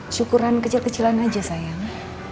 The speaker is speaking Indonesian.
syukuran kecil kecilan aja sayang